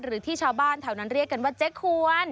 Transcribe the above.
หรือที่ชาวบ้านแถวนั้นเรียกกันว่าเจ๊ควร